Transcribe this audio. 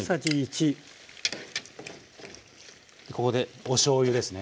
ここでおしょうゆですね。